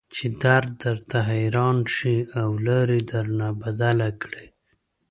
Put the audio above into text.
چې درد درته حيران شي او لار درنه بدله کړي.